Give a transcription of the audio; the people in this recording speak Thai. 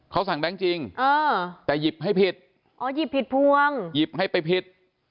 เขาสั่งแบงค์จริงแต่หยิบให้ผิดอ๋อหยิบผิดพวงหยิบให้ไปผิด